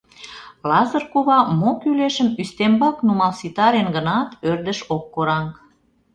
Лазыр кува мо кӱлешым ӱстембак нумал ситарен гынат, ӧрдыш ок кораҥ.